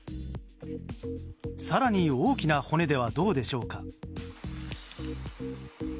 更に大きな骨ではどうでしょうか。